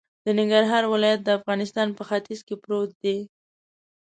د ننګرهار ولایت د افغانستان په ختیځ کی پروت دی